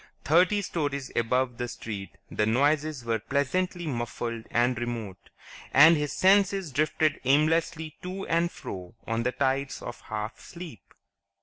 Thirty stories above the street the noises were pleasantly muffled and remote, and his senses drifted aimlessly to and fro on the tides of half sleep.